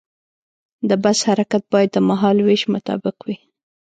د بس حرکت باید د مهال ویش مطابق وي.